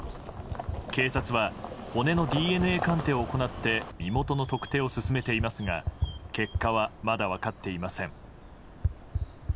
警察は骨のＤＮＡ鑑定を行って身元の特定を進めていますが結果はまだ分かっていません。